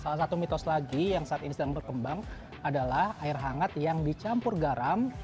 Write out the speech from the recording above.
salah satu mitos lagi yang saat ini sedang berkembang adalah air hangat yang dicampur garam